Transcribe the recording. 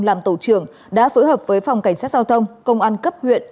làm tổ trưởng đã phối hợp với phòng cảnh sát giao thông công an cấp huyện